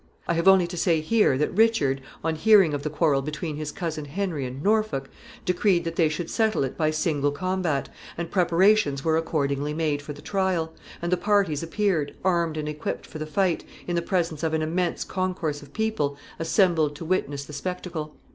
I have only to say here that Richard, on hearing of the quarrel between his cousin Henry and Norfolk, decreed that they should settle it by single combat, and preparations were accordingly made for the trial, and the parties appeared, armed and equipped for the fight, in the presence of an immense concourse of people assembled to witness the spectacle.